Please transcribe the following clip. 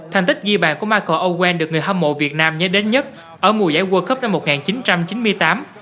thành tích ghi bàn của michael owen được người hâm mộ việt nam nhớ đến nhất ở mùa giải world cup năm một nghìn chín trăm chín mươi tám